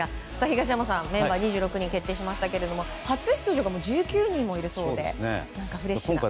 東山さん、メンバー２６人が決定しましたけど初出場が１９人もいるのでフレッシュな。